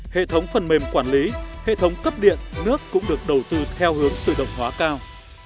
hệ thống phần mềm quản lý hệ thống cấp điện nước cũng được đầu tư theo hướng tự động hóa cao